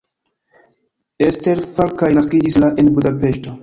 Eszter Felkai naskiĝis la en Budapeŝto.